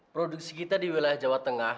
produksi kita di wilayah jawa tengah